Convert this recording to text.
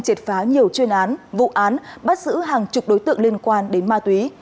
triệt phá nhiều chuyên án vụ án bắt giữ hàng chục đối tượng liên quan đến ma túy